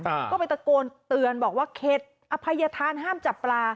อ่าก็ไปตะโกนเตือนบอกว่าเข็ดอภัยธานห้ามจับปลา